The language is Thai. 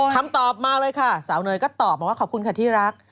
คำตอบมาเลยค่ะสาวเนยก็ตอบบอกว่าขอบคุณค่ะที่รัก